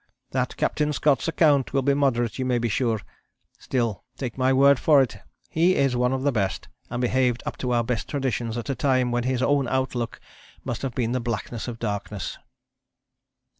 "That Captain Scott's account will be moderate you may be sure. Still, take my word for it, he is one of the best, and behaved up to our best traditions at a time when his own outlook must have been the blackness of darkness...."